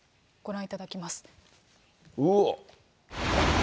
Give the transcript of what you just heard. うわっ。